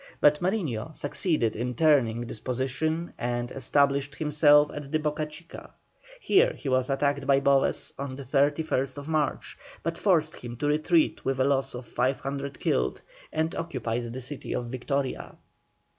But Mariño succeeded in turning this position and established himself at the Boca Chica. Here he was attacked by Boves on the 31st March, but forced him to retreat with a loss of 500 killed, and occupied the city of Victoria.